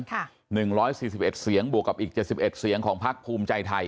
หนึ่งร้อยสี่สิบเอ็ดเสียงบวกกับอีกเจ็ดสิบเอ็ดเสียงของพักภูมิใจไทย